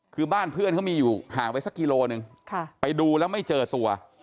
คือบ้านเพื่อนเขามีอยู่ห่างไปสักกิโลหนึ่งไปดูแล้วไม่เจอตัว